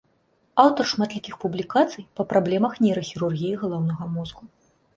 Аўтар шматлікіх публікацый па праблемах нейрахірургіі галаўнога мозгу.